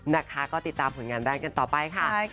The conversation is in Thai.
นะคะก็ติดตามผลงานได้กันต่อไปค่ะ